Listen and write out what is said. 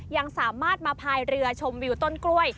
ยังสามารถมาพายเรือชมวิวต้นกล้วย